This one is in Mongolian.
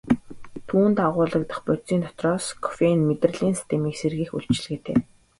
Түүнд агуулагдах бодисын дотроос кофеин мэдрэлийн системийг сэргээх үйлчилгээтэй.